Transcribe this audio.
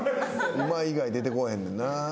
うまい以外出てこうへんねんな。